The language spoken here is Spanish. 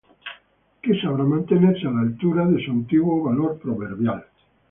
que sabrá mantenerse a la altura de su antiguo valor proverbial.